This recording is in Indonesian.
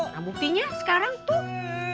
nah buktinya sekarang tuh